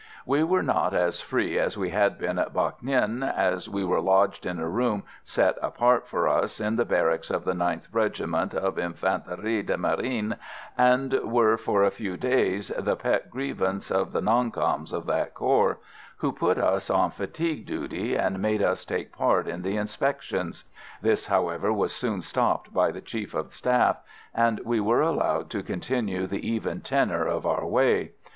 We were not as free as we had been at Bac Ninh, as we were lodged in a room set apart for us, in the barracks of the 9th Regiment of Infanterie de Marine, and were for a few days the pet grievance of the "non coms" of that corps, who put us on fatigue duty and made us take part in the inspections. This, however, was soon stopped by the Chief of the Staff, and we were allowed to continue the even tenour of our way.